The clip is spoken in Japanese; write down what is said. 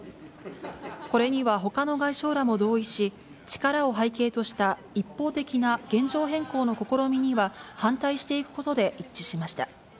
これにはほかの外相らも同意し、力を背景とした一方的な現状変更の試みには反対していくことで一致しました。